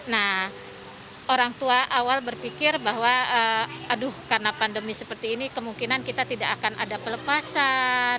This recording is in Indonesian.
nah orang tua awal berpikir bahwa aduh karena pandemi seperti ini kemungkinan kita tidak akan ada pelepasan